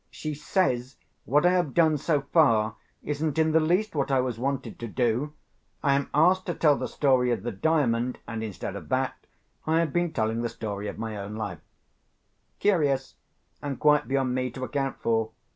She says what I have done so far isn't in the least what I was wanted to do. I am asked to tell the story of the Diamond and, instead of that, I have been telling the story of my own self. Curious, and quite beyond me to account for.